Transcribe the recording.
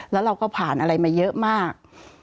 แล้วเราก็ผ่านอะไรมาเยอะมาก